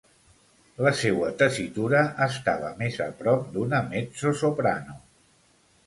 La seua tessitura estava més prop d'una mezzosoprano.